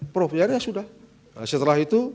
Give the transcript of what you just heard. prof ya sudah setelah itu